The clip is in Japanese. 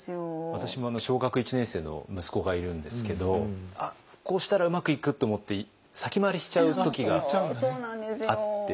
私も小学１年生の息子がいるんですけどこうしたらうまくいくと思って先回りしちゃう時があって。